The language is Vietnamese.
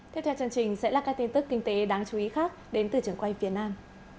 tiếp theo chương trình sẽ là các tin tức kinh tế đáng chú ý khác đến từ trường quay phía nam